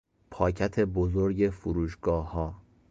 پاکت بزرگ فروشگاهها